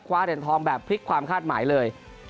เหรียญทองแบบพลิกความคาดหมายเลย